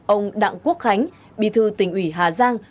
ông đặng quốc khánh bí thư tỉnh ủy hà giang